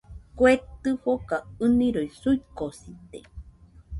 Kue tɨfoka ɨniroi suikosite